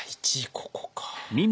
ここか。